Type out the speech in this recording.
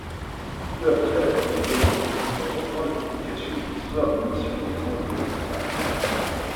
Peu après, Adrien Launay entreprend la publication de l'histoire des missions étrangères de Paris.